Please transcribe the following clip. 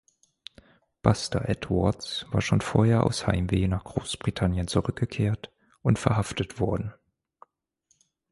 Buster Edwards war schon vorher aus Heimweh nach Großbritannien zurückgekehrt und verhaftet worden.